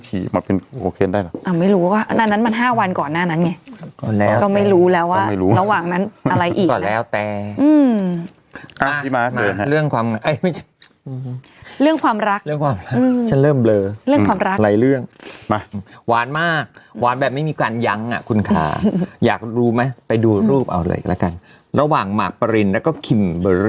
นี่พี่ดูนั่นก่อนพี่ดูท้องปองมันก่อน